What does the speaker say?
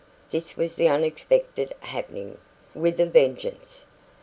This was the unexpected happening, with a vengeance.